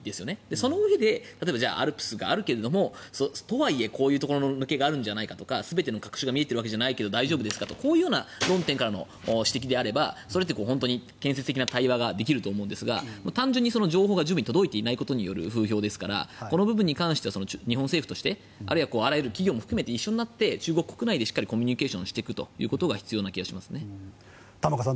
そのうえでＡＬＰＳがあるけれどもとはいえこういうところの抜けがあるんじゃないけど全てが見えているわけではないけど大丈夫ですかとこういう論点からの指摘であればそれって本当に建設的な対話ができると思うんですが単純に情報が届いていないことによる風評ですからそれについては日本政府、あるいは企業も一緒になって中国国内でコミュニケーションしていくことが必要だと思います。